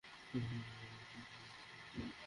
আমি বিয়ের মঞ্চে টিনা কে ত্যাগ করব।